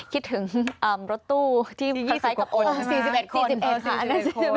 คิดถึงรถตู้ที่พักไซส์กับอ๋อสี่สิบเอ็ดคน